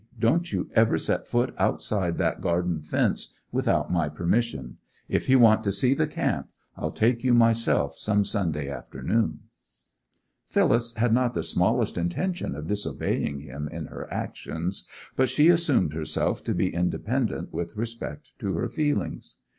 Don't you ever set foot outside that garden fence without my permission. If you want to see the camp I'll take you myself some Sunday afternoon.' Phyllis had not the smallest intention of disobeying him in her actions, but she assumed herself to be independent with respect to her feelings.